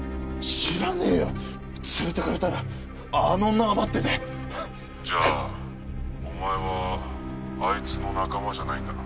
知らねえよ連れていかれたらあの女が待っててじゃあお前はあいつの仲間じゃないんだな？